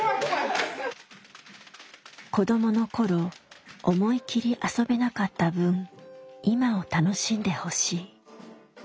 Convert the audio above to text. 子どもの頃思い切り遊べなかった分今を楽しんでほしい。